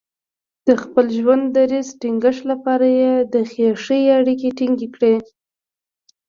د خپل ټولنیز دریځ ټینګښت لپاره یې د خیښۍ اړیکې ټینګې کړې.